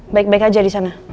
baik baik aja disana